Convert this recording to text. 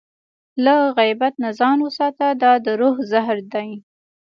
له غیبت نه ځان وساته، دا د روح زهر دی.